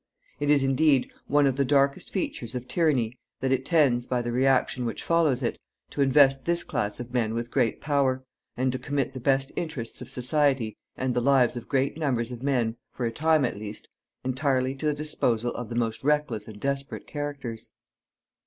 It is, indeed, one of the darkest features of tyranny that it tends, by the reaction which follows it, to invest this class of men with great power, and to commit the best interests of society, and the lives of great numbers of men, for a time at least, entirely to the disposal of the most reckless and desperate characters.